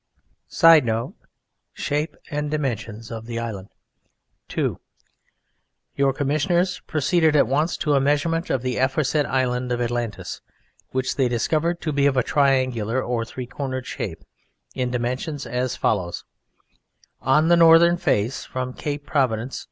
[Sidenote: Shape and Dimensions of the Island] II. Your Commissioners proceeded at once to a measurement of the aforesaid island of Atlantis, which they discovered to be of a triangular or three cornered shape, in dimensions as follows: On the northern face from Cape Providence (q.